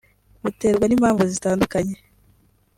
buterwa n’impamvu zitandukanye